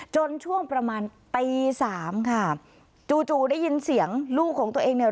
ช่วงประมาณตีสามค่ะจู่จู่ได้ยินเสียงลูกของตัวเองเนี่ย